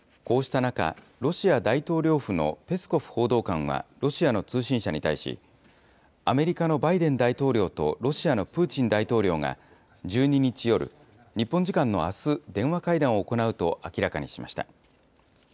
こうした中、ロシア大統領府のペスコフ報道官はロシアの通信社に対し、アメリカのバイデン大統領とロシアのプーチン大統領が、１２日夜、日本時間のあす、電話会談を行うと明らかにしました。